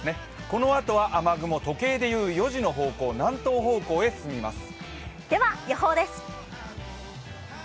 このあとは雨雲、時計でいう４時の方向、南東方向へ進みます。